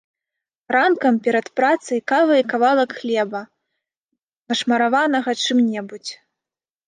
Ранкам перад працай кава і кавалак хлеба, нашмараванага чым-небудзь.